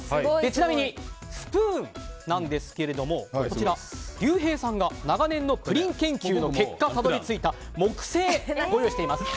ちなみにスプーンですがこちら、りゅうへいさんが長年のプリン研究の結果たどり着いた木製をご用意しています。